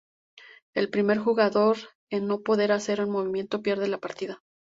El primer jugador en no poder hacer un movimiento pierde la partida.